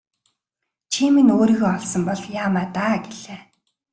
Чи минь өөрийгөө олсон бол яамай даа гэлээ.